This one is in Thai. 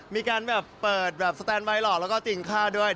มีการเปิดสแตนไบหลอกแล้วก็ติ่งค่าด้วย